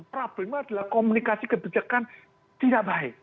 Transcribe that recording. problemnya adalah komunikasi kebijakan tidak baik